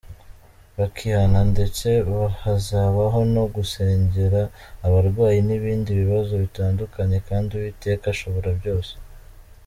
bakihana, ndetse hazabaho no gusengera abarwayi n'ibindi bibazo bitandukanye kandi Uwiteka ashobora byose.